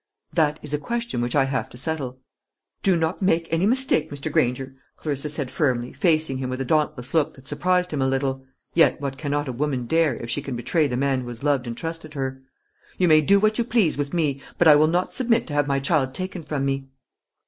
"That is a question which I have to settle." "Do not make any mistake, Mr. Granger," Clarissa said firmly, facing him with a dauntless look that surprised him a little yet what cannot a woman dare, if she can betray the man who has loved and trusted her? "You may do what you please with me; but I will not submit to have my child taken from me."